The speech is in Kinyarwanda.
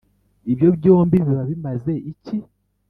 ibyo byombi biba bimaze iki?